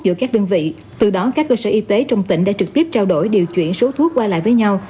giữa các đơn vị từ đó các cơ sở y tế trong tỉnh đã trực tiếp trao đổi điều chuyển số thuốc qua lại với nhau